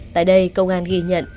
tại đây công an ghi nhận